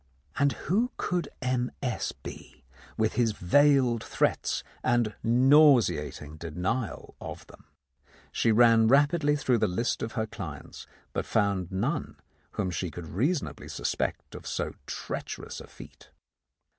And who could M. S. be, with his veiled threats and nauseating denial of them? She ran rapidly through the list of her clients, but found none whom she could reasonably suspect of so treacherous a feat.